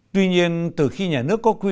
tuy nhiên từ khi nhà nước có quyền